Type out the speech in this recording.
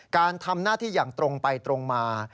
การทำหน้าที่อย่างตรงไปตรงมา